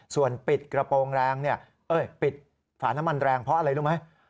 ส่วนปิดกระโปรงแรงปิดฝาน้ำมันแรงเพราะอะไรรู้ไหม